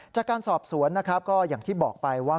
จากการสอบสวนนะครับก็อย่างที่บอกไปว่า